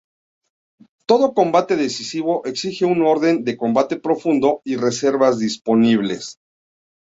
Todo combate decisivo exige un orden de combate profundo y reservas disponibles.